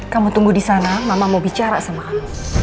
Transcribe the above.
kamu tunggu di sana mama mau bicara sama kamu